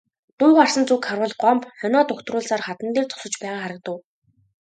Дуу гарсан зүг харвал Гомбо хонио дугтруулсаар хадан дээр зогсож байгаа харагдав.